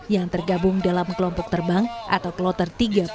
yang tergabung dalam kelompok terbang atau kloter tiga puluh